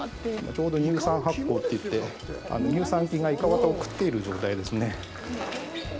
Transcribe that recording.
ちょうど乳酸発酵って言って、乳酸菌がイカワタを食っている状態ですね。